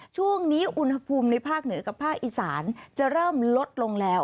ช่วงนี้อุณหภูมิในภาคเหนือกับภาคอีสานจะเริ่มลดลงแล้ว